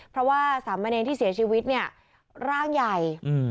เพราะว่าสามเณรที่เสียชีวิตเนี่ยร่างใหญ่